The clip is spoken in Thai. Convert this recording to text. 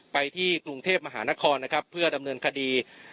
ไปที่กรุงเทพมหานครนะครับเพื่อดำเนินคดี